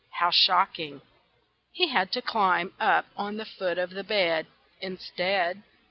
How shocking! He had to climb up on the foot of the bed Instead.